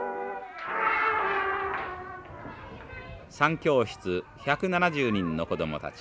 ３教室１７０人の子供たち。